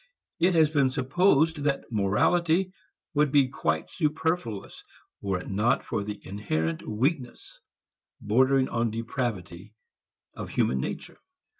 It has been supposed that morality would be quite superfluous were it not for the inherent weakness, bordering on depravity, of human nature.